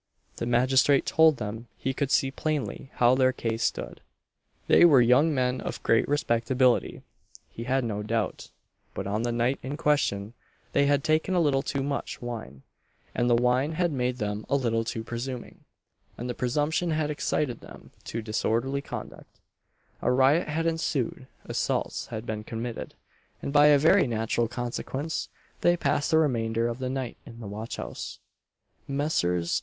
The magistrate told them he could see plainly how their case stood. They were young men of great respectability, he had no doubt; but on the night in question they had taken a little too much wine; and the wine had made them a little too presuming; and the presumption had excited them to disorderly conduct; a riot had ensued, assaults had been committed, and by a very natural consequence, they passed the remainder of the night in the watch house. Messrs.